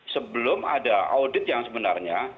sebelum ada audit yang sebenarnya